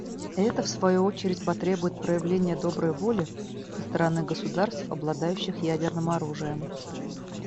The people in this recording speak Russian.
Это, в свою очередь, потребует проявления доброй воли со стороны государств, обладающих ядерным оружием.